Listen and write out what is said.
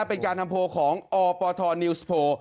เป็นการทำโพลของอปทนิวสโพล